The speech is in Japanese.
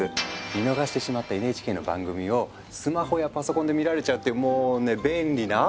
見逃してしまったＮＨＫの番組をスマホやパソコンで見られちゃうっていうもうね便利なアプリなんですよ！